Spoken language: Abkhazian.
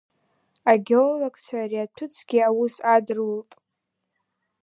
Агеологцәа ари аҭәыцгьы аус адырулт.